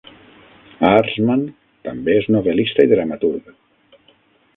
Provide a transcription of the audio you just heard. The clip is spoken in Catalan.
Aarsman també és novel·lista i dramaturg.